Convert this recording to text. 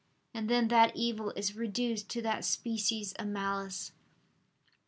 And then that evil is reduced to that species of malice.